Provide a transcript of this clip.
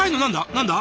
何だ？